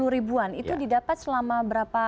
sepuluh ribuan itu didapat selama berapa kurun waktu